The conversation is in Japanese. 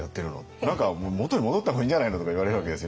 「元に戻った方がいいんじゃないの」とか言われるわけですよね。